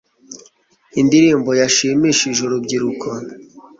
indirimbo yashimishije urubyiruko